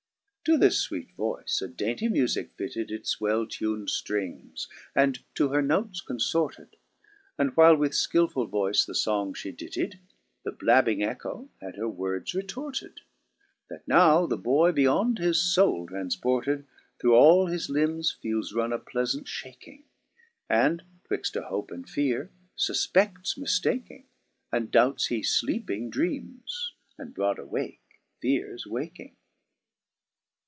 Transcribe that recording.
9 To this fwect voyce a dainty mufique fitted It*s well tun'd ftrings, and to her notes conforted. And while with fkilfull voyce the ibng (he dittied. The blabbing Echo had her words retorted ; That now the boy, beyond his foule traniported, Through all his limbes feeles run a pleafant fhaking^ • And, twixt a hope and feare, fufpeiSlis miftaking. And doubts he fleeping dreames, and broad awake feares waking.